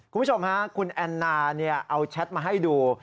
คุณผู้ชมฮะคุณแอนนาเอาแชทมาให้ดู